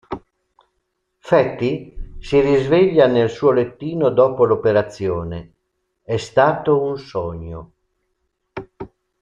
Fatty si risveglia nel suo lettino dopo l’operazione: è stato un sogno.